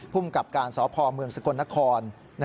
ภูมิกับการสพเมืองสกลนคร